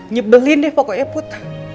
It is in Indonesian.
nyebelin deh pokoknya put